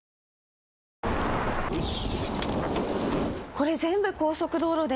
これ全部高速道路で。